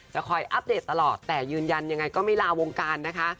คอยอัปเดตตลอดแต่ยืนยันยังไงก็ไม่ลาวงการนะคะ